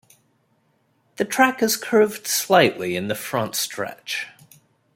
The track is curved slightly in the front stretch.